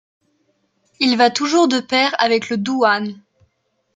Il va toujours de pair avec le duan.